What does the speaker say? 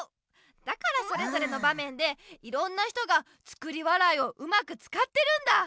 だからそれぞれのばめんでいろんな人が「作り笑い」をうまくつかってるんだ！